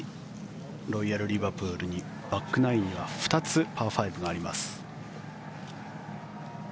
ロイヤル・リバプールにバックナインは２つパー５があります。